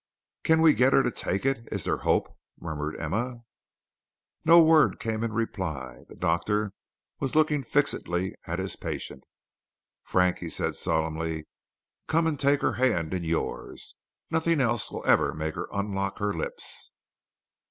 "Can we get her to take it? Is there hope?" murmured Emma. No word came in reply; the Doctor was looking fixedly at his patient. "Frank," he said solemnly, "come and take her hand in yours. Nothing else will ever make her unlock her lips."